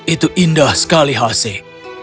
itu indah sekali haseh